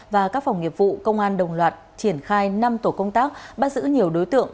và các phòng nghiệp vụ công an đồng loạt triển khai năm tổ công tác bắt giữ nhiều đối tượng